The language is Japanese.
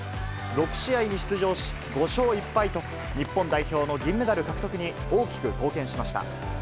６試合に出場し、５勝１敗と、日本代表の銀メダル獲得に大きく貢献しました。